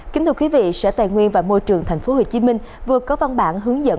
kính thưa quý vị sở tài nguyên và môi trường tp hcm vừa có văn bản hướng dẫn